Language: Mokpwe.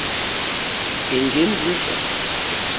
Èŋɡé mbúrzà.